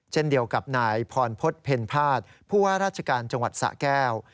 เช่นเดียวกับนายพรพฤษเพ็ญภาษย์ผู้ว่าราชการจังหวัดสะแก้ว